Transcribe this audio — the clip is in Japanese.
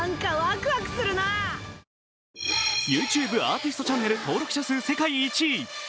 ＹｏｕＴｕｂｅアーティストチャンネル登録者数世界１位。